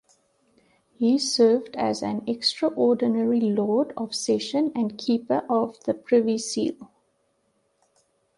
He served as an Extraordinary Lord of Session and Keeper of the Privy Seal.